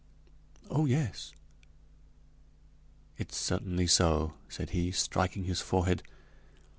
"Oh, yes!" "It's certainly so," said he, striking his forehead.